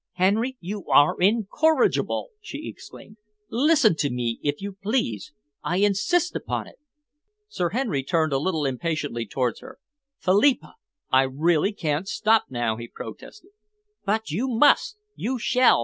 "Henry, you are incorrigible!" she exclaimed. "Listen to me if you please. I insist upon it." Sir Henry turned a little impatiently towards her. "Philippa, I really can't stop now," he protested. "But you must! You shall!"